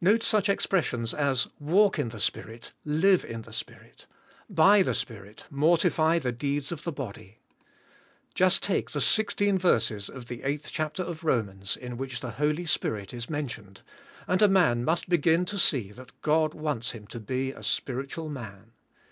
Note such expressions as "Walk in the Spirit," "Live in the Spirit," " By the Spirit, mortify the deeds, of the body." Just take the sixteen verses of the eighth chapter of Romans in which the Holy Spirit is men tioned, and a man must begin to see that God wants him to be a spiritual man.